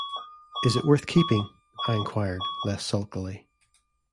‘Is it worth keeping?’ I inquired, less sulkily.